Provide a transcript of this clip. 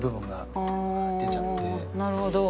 なるほど。